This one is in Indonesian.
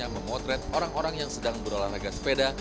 memotret orang orang yang sedang berolahraga sepeda